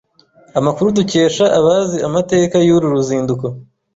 Amakuru dukesha abazi amateka y’uru ruzinduko